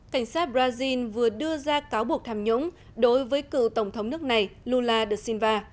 cảnh sát brazil vừa đưa ra cáo buộc tham nhũng đối với cựu tổng thống nước này lula da silva